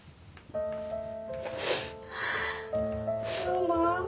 ママ。